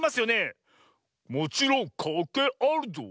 「もちろんかんけいあるゾウ。